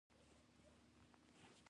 ګېڼ او ګس طرف ته ګوره !